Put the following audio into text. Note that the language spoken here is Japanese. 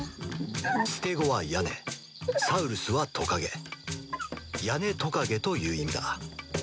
ステゴは屋根サウルスはトカゲ屋根トカゲという意味だ